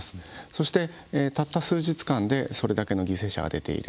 そして、たった数日間でそれだけの犠牲者が出ている。